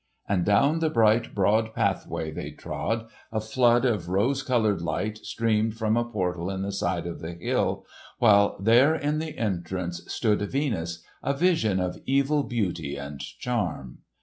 And down the bright broad pathway they trod, a flood of rose coloured light streamed from a portal in the side of the hill, while there in the entrance stood Venus, a vision of evil beauty and charm.